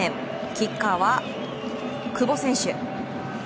キッカーは久保選手。